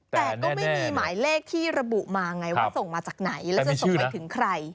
แต่ก็ไม่มีหมายเลขที่ระบุมาไงว่าส่งมาจากไหนแล้วจะส่งไปถึงใคร